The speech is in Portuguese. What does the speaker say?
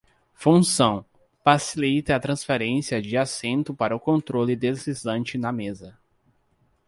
Função: facilita a transferência de assento para o controle deslizante na mesa.